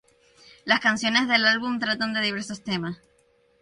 Las canciones del álbum tratan de diversos temas.